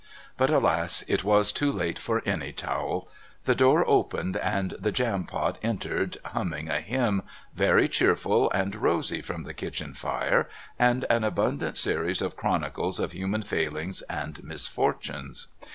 But alas, it was too late for any towel; the door opened, and the Jampot entered, humming a hymn, very cheerful and rosy from the kitchen fire and an abundant series of chronicles of human failings and misfortunes.